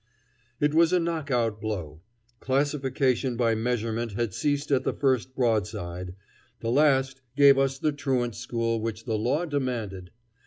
It was a knock out blow. Classification by measurement had ceased at the first broadside; the last gave us the truant school which the law demanded.